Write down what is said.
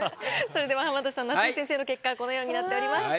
それでは浜田さん夏井先生の結果このようになっております。